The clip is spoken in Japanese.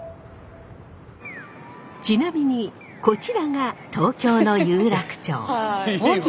ちなみにこちらが東京の有楽町。